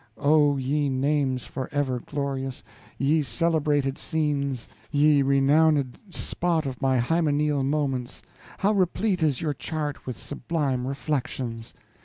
Oh, ye names forever glorious, ye celebrated scenes, ye renowned spot of my hymeneal moments; how replete is your chart with sublime reflections!